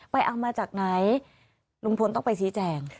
เอามาจากไหนลุงพลต้องไปชี้แจง